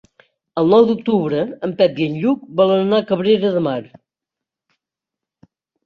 El nou d'octubre en Pep i en Lluc volen anar a Cabrera de Mar.